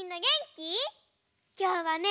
きょうはね